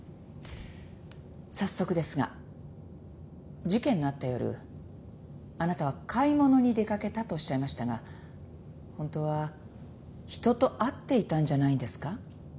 早速ですが事件のあった夜あなたは買い物に出かけたとおっしゃいましたが本当は人と会っていたんじゃないですか？